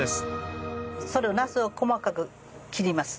なすを細かく切ります。